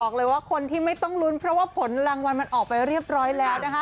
บอกเลยว่าคนที่ไม่ต้องลุ้นเพราะว่าผลรางวัลมันออกไปเรียบร้อยแล้วนะคะ